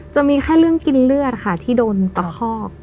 จะมีแค่เรื่องกินเลือดค่ะที่โดนตะคอก